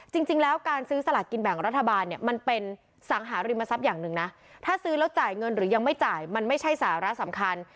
จริงแล้วการซื้อสลากกินแบ่งรัฐบาลเนี่ยมันเป็นสังหาริมทรัพย์อย่างหนึ่งนะถ้าซื้อแล้วจ่ายเงินหรือยังไม่จ่ายมันไม่ใช่สาระสำคัญ